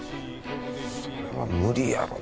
それは無理やろ。